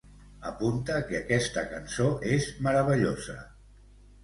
Apunta que aquesta cançó és meravellosa.